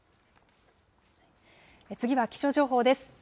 次は気象情報です。